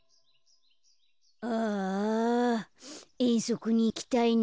ああえんそくにいきたいな。